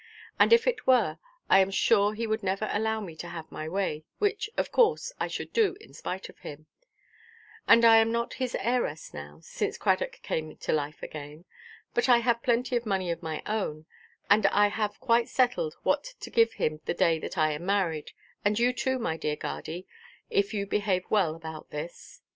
And if it were, I am sure he would never allow me to have my way, which, of course, I should do in spite of him. And I am not his heiress now, since Cradock came to life again. But I have plenty of money of my own; and I have quite settled what to give him the day that I am married, and you too, my dear guardy, if you behave well about this.